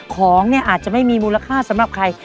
ของเนี่ยอาจจะไม่มีมูลค่าสำหรับใคร